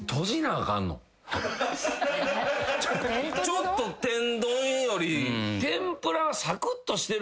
ちょっと天丼より。